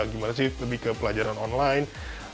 gimana sih lebih ke pelajaran online